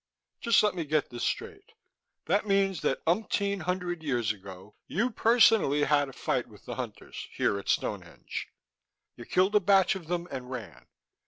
Just let me get this straight: that means that umpteen hundred years ago, you personally had a fight with the Hunters here at Stonehenge. You killed a batch of them and ran.